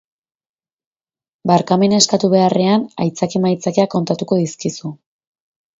Barkamena eskatu beharrean, aitzaki-maitzakiak kontatuko dizkizu.